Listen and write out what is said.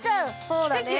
そうだね